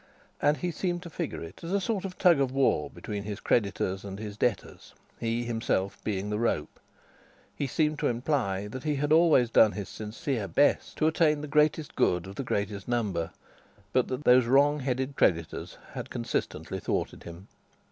And he seemed to figure it as a sort of tug of war between his creditors and his debtors, he himself being the rope. He seemed to imply that he had always done his sincere best to attain the greatest good of the greatest number, but that those wrong headed creditors had consistently thwarted him.